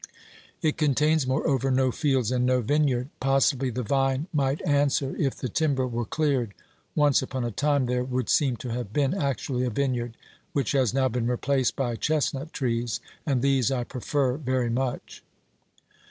It contains, moreover, no fields and no vineyard. Possibly the vine might answer if the timber were cleared ; once upon a time there would seem to have been actually a vineyard, which has now been replaced by chestnut trees, and these I prefer very much.